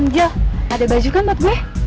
jo ada baju kan buat gue